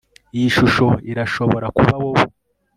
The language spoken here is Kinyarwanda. iyi shusho irashobora kuba wowe